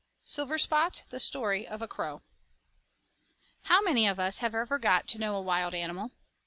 SILVERSPOT, The Story of a Crow I HOW MANY of us have ever got to know a wild animal?